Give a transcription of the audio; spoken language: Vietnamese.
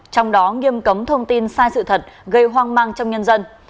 trong đó nghiêm cấm thông tin sai sự thật gây hoang mang trong nhân dân